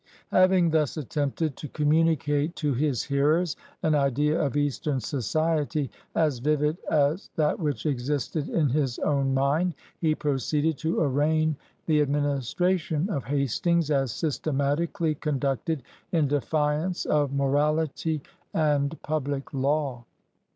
Having thus attempted to communi cate to his hearers an idea of Eastern society, as vivid as that which existed in his own mind, he proceeded to arraign the administration of Hastings as systematically conducted in defiance of morality and public law.